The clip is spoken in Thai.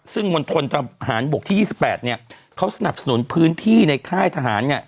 ซึ่งมณฑนทหารบกที่๒๘เขาสนับสนุนพื้นที่ในค่ายทหารเนี่ย